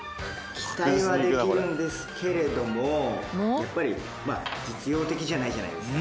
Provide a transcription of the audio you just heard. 期待はできるんですけれども、やっぱり実用的じゃないじゃないですか。